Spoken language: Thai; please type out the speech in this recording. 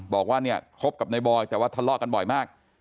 บอกว่าเนี่ยคบกับในบอยแต่ว่าทะเลาะกันบ่อยมาก